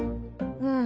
うん。